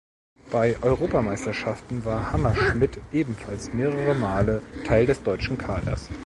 Bei Europameisterschaften war Hammerschmid ebenfalls mehrere Male Teil des deutschen Kaders.